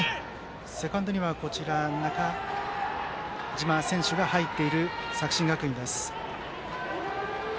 セカンドには中島選手が入っている、作新学院。